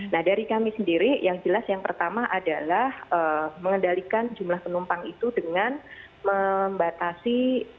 nah dari kami sendiri yang jelas yang pertama adalah mengendalikan jumlah penumpang itu dengan membatasi